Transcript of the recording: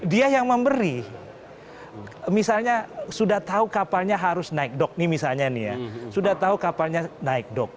dia yang memberi misalnya sudah tahu kapalnya harus naik dok nih misalnya nih ya sudah tahu kapalnya naik dok